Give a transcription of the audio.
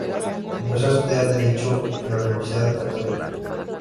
Empezó a estudiar Derecho en la Universidad Católica.